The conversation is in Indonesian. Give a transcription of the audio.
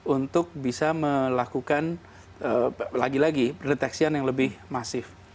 untuk bisa melakukan lagi lagi pendeteksian yang lebih masif